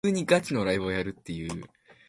Angelus was born in Jerusalem to a Jewish family.